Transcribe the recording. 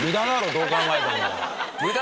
どう考えても。